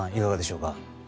いかがでしょうか。